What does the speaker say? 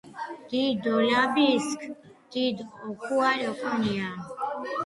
დიდ დოლაბისჷ დიდ ოქუალი ოკონია